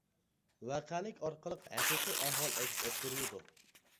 ۋەقەلىك ئارقىلىق ھەقىقىي ئەھۋال ئەكس ئەتتۈرۈلىدۇ.